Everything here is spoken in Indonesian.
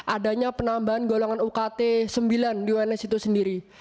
adanya penambahan golongan ukt sembilan di uns itu sendiri